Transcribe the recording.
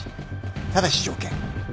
ただし条件。